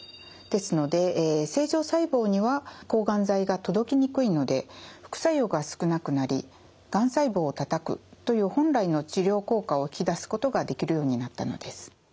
ですので正常細胞には抗がん剤が届きにくいので副作用が少なくなりがん細胞をたたくという本来の治療効果を引き出すことができるようになったのです。